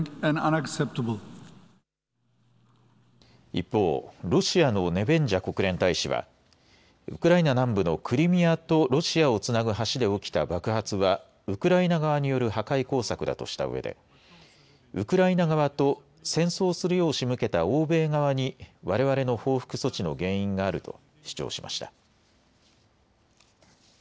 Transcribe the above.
一方、ロシアのネベンジャ国連大使はウクライナ南部のクリミアとロシアをつなぐ橋で起きた爆発はウクライナ側による破壊工作だとしたうえでウクライナ側と戦争するようしむけた欧米側にわれわれの報復措置の原因があると主張しました。